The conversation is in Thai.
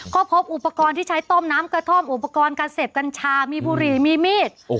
ก็พบอุปกรณ์ที่ใช้ต้มน้ำกระท่อมอุปกรณ์การเสพกัญชามีบุหรี่มีมีด